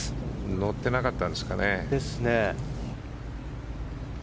乗ってなかったんですかね。